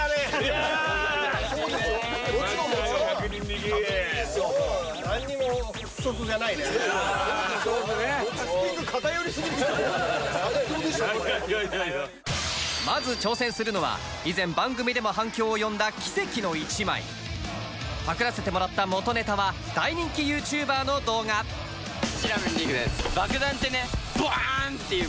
そうですねいやいやいや妥当でしょこれまず挑戦するのは以前番組でも反響を呼んだ奇跡の１枚パクらせてもらった元ネタは大人気 ＹｏｕＴｕｂｅｒ の動画すしらーめんりくです爆弾ってねバーン！っていう